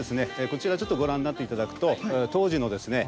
こちらちょっとご覧になって頂くと当時のですね